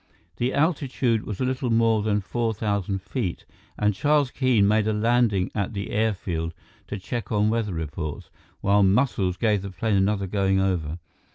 The altitude was a little more than four thousand feet, and Charles Keene made a landing at the airfield to check on weather reports, while Muscles gave the plane another going over.